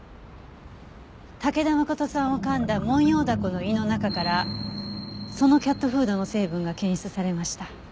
武田誠さんを噛んだモンヨウダコの胃の中からそのキャットフードの成分が検出されました。